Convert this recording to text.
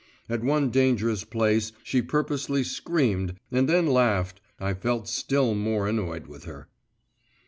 At one dangerous place she purposely screamed, and then laughed.… I felt still more annoyed with her.